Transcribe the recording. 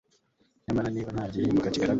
Nyamara niba nta gihinduka kigaragara